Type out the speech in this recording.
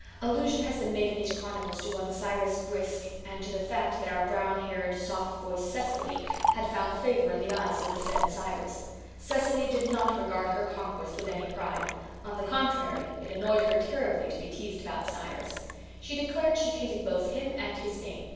Allusion has been made in these chronicles to one, Cyrus Brisk, and to the fact that our brown haired, soft voiced Cecily had found favour in the eyes of the said Cyrus. Cecily did not regard her conquest with any pride. On the contrary, it annoyed her terribly to be teased about Cyrus. She declared she hated both him and his name.